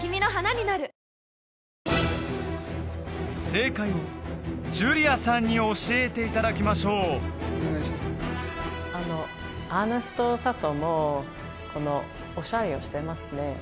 正解をジュリアさんに教えていただきましょうアーネストサトウもこのオシャレをしてますね